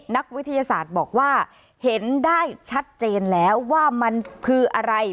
นักวิทยาศาสตร์บอกว่าเห็นได้ชัดเจนแล้วว่ามันคืออะไร